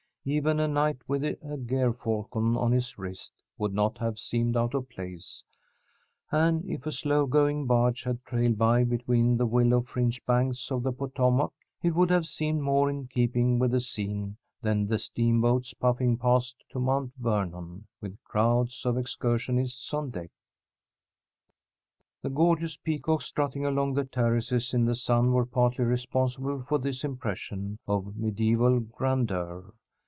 Even a knight with a gerfalcon on his wrist would not have seemed out of place, and if a slow going barge had trailed by between the willow fringed banks of the Potomac, it would have seemed more in keeping with the scene than the steamboats puffing past to Mount Vernon, with crowds of excursionists on deck. The gorgeous peacocks strutting along the terraces in the sun were partly responsible for this impression of mediæval grandeur.